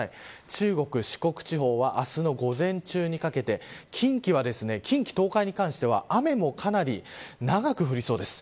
中国、四国地方は明日の午前中にかけて近畿、東海に関しては雨もかなり長く降りそうです。